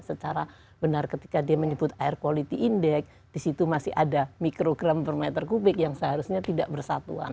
secara benar ketika dia menyebut air quality index di situ masih ada mikrogram per meter kubik yang seharusnya tidak bersatuan